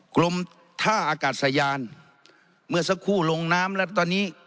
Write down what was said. กรมท่าอากาศยานเมื่อสักครู่ลงน้ำแล้วตอนนี้